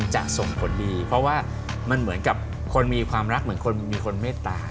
จะส่งผลดีเพราะว่ามันเหมือนกับคนมีความรักเหมือนคนมีคนเมตตา